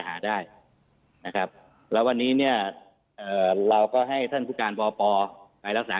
หาได้นะครับแล้ววันนี้เนี่ยเอ่อเราก็ให้ท่านผู้การปปไปรักษา